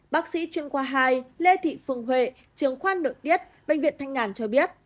bác sĩ chuyên khoa hai lê thị phương huệ trường khoan nội tiết bệnh viện thanh ngàn cho biết